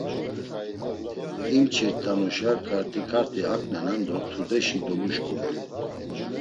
İmçirt̆anuşa kart̆i ǩart̆i aǩnenan do tudeşi doluşǩuman.